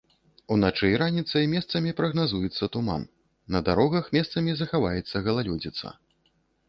Уначы і раніцай месцамі прагназуецца туман, на дарогах месцамі захаваецца галалёдзіца.